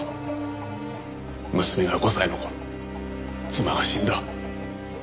娘が５歳の頃妻が死んだ。